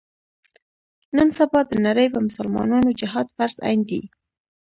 نن سبا د نړۍ په مسلمانانو جهاد فرض عین دی.